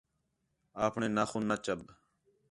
آپݨیں ناخن نہ چَب